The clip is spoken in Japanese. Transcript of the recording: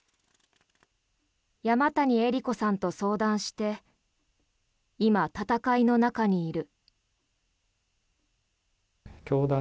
山谷えり子さんと相談して今、戦いの中にいる。